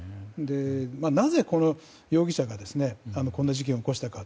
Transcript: なぜこの容疑者がこの事件を起こしたか